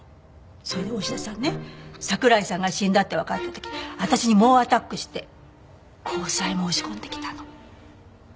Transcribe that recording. それで大志田さんね桜井さんが死んだってわかった時私に猛アタックして交際申し込んできたの。